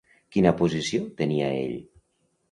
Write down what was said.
Quina posició tenia ell?